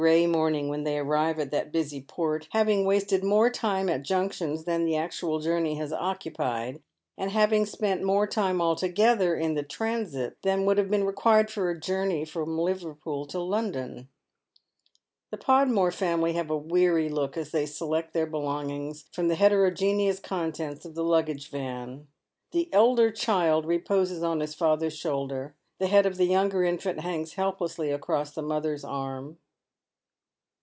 363 It 18 ^y morning when tliey arrive at that busy port, having ■waste J more time at junctions than the actual journey has occupied, and having spent more time altogether in the transit than would have been required for a journey from Livei pool to London. The Podmore family have a weary look as they select their belongings from the heterogeneous contents of the luggage van. The elder child reposes on his father's shoulder, the head of the younger infant hangs helplessly across the mother's arm.